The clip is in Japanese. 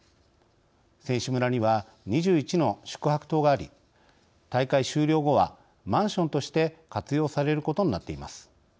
選手村には２１の宿泊棟があり大会終了後はマンションとして活用されることになっています。